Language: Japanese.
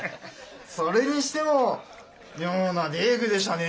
それにしても妙な大工でしたね。